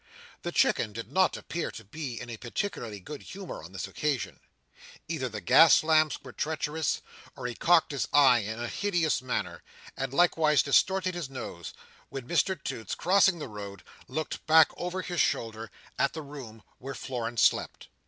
The Chicken did not appear to be in a particularly good humour on this occasion. Either the gas lamps were treacherous, or he cocked his eye in a hideous manner, and likewise distorted his nose, when Mr Toots, crossing the road, looked back over his shoulder at the room where Florence slept.